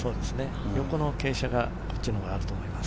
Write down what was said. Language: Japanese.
横の傾斜がこっちのほうがあると思います。